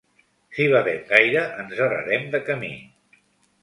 Si badem gaire ens errarem de camí.